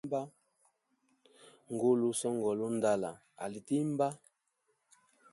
Ngulu usongola undala ali tima.